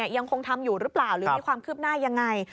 ยังคงทำอยู่หรือเปล่าหรือมีความคืบหน้ายังไง